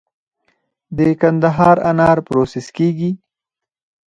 د قندهار انار پروسس کیږي؟